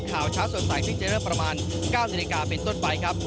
ข่าวเช้าสดใสที่จะเริ่มประมาณ๙๐นเป็นต้นไปครับ